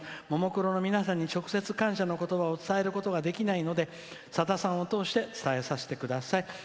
ももクロの皆さんに直接感謝のことばを伝えることができないので、さださんを通して伝えさせてください。